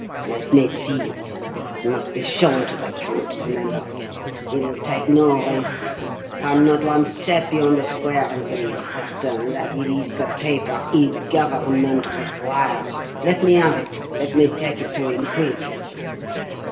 "Let me see it. It must be shown to the count, remember. He will take no risks, come not one step beyond the square, until he is certain that it is the paper his Government requires. Let me have it let me take it to him quick!"